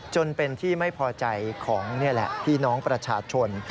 จนเป็นที่ไม่พอใจของพี่น้องประชาชน